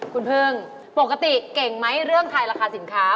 คุณพึ่งปกติเก่งไหมเรื่องทายราคาสินค้า